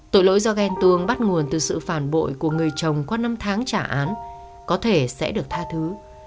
tội lỗi do ghen tuồng bắt nguồn từ sự phản bội của người chồng qua năm tháng trả án có thể sẽ được tha thứ